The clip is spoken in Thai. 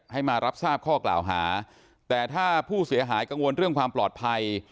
ให้มารับทราบข้อกล่าวหาแต่ถ้าผู้เสียหายกังวลเรื่องความปลอดภัย